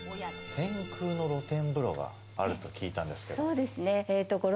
天空の露天風呂があると聞いたんですけど。